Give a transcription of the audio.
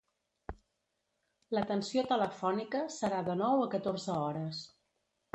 L'atenció telefònica serà de nou a catorze hores.